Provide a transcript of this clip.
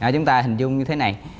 chúng ta hình dung như thế này